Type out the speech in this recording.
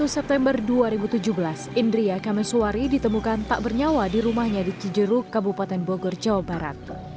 dua puluh september dua ribu tujuh belas indria kameswari ditemukan tak bernyawa di rumahnya di cijeruk kabupaten bogor jawa barat